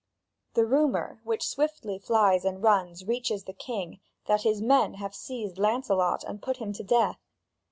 The rumour, which swiftly flies and runs, reaches the king, that his men have seized Lancelot and put him to death.